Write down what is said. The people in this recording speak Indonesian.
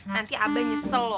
nanti abah nyesel lo